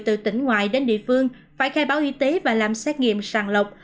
từ tỉnh ngoài đến địa phương phải khai báo y tế và làm xét nghiệm sàng lọc